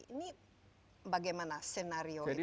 ini bagaimana senario itu